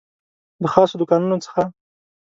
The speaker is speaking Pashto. د خاصو دوکانونو څخه